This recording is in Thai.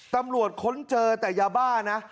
ตำรวจค้นเจอแต่ยาบ้านะ